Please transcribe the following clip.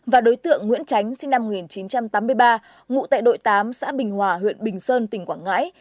và đối tượng nguyễn tránh sinh năm một nghìn chín trăm tám mươi ba ngụ tại đội tám xã bình hòa huyện bình sơn tỉnh quảng ngãi